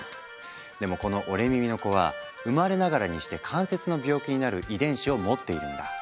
でもこの折れ耳の子は生まれながらにして関節の病気になる遺伝子を持っているんだ。